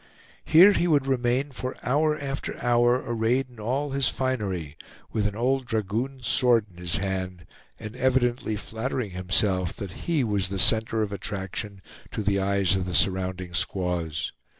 Here he would remain for hour after hour, arrayed in all his finery, with an old dragoon's sword in his hand, and evidently flattering himself that he was the center of attraction to the eyes of the surrounding squaws.